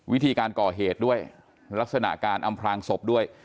วิธีการก่อเหตุด้วยลักษณะการอำพลางศพด้วย